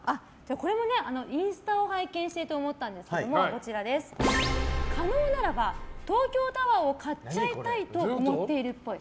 これもインスタを拝見していて思ったんですが可能ならば東京タワーを買っちゃいたい！と思っているっぽい。